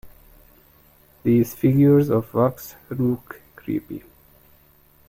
These figures of wax look creepy.